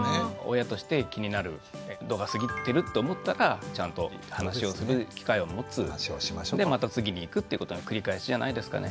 親として気になる度が過ぎてるって思ったらちゃんと話をする機会を持つでまた次にいくっていうことの繰り返しじゃないですかね。